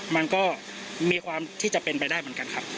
มันก็มีความที่จะเป็นไปได้เหมือนกันครับ